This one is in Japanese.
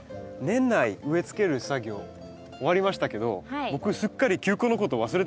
年内植えつける作業終わりましたけど僕すっかり球根のことを忘れてしまいました。